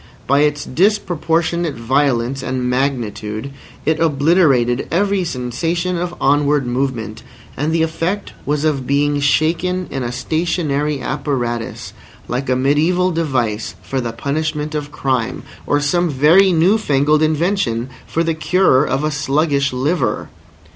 By its disproportionate violence and magnitude it obliterated every sensation of onward movement; and the effect was of being shaken in a stationary apparatus like a mediæval device for the punishment of crime, or some very newfangled invention for the cure of a sluggish liver.